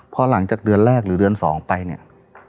พอหลังจากเดือนแรกหรือเดือน๒ไปเนี่ย